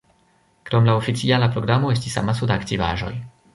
Krom la oficiala programo estis amaso da aktivaĵoj.